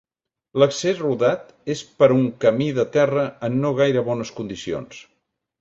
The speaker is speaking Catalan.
L'accés rodat és per un camí de terra en no gaire bones condicions.